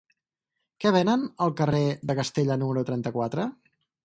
Què venen al carrer de Castella número trenta-quatre?